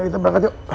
kita berangkat yuk